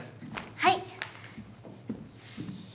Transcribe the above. はい！